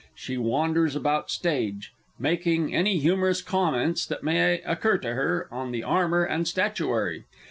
She wanders about stage_, _making any humorous comments that may occur to her on the armour and statuary.